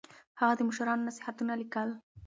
هغه د مشرانو نصيحتونه ليکل.